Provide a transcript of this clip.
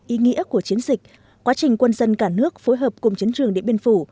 ý nghĩa của chiến dịch quá trình quân dân cả nước phối hợp cùng chiến trường điện biên phủ